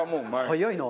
早いな。